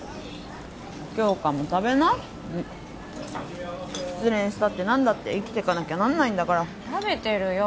杏花も食べな失恋したって何だって生きてかなきゃなんないんだから食べてるよ